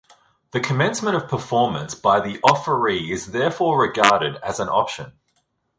The commencement of performance by the offeree is therefore regarded as an option.